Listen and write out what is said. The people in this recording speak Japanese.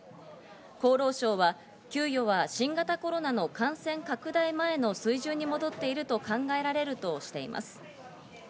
厚労省は給与は新型コロナの感染拡大前の水準に戻っていると考えられるとしています。